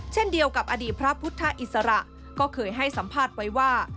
เช่นเดียวกับอดีตพระพุทธอิสระก็เคยให้สัมภาษณ์ไว้ว่า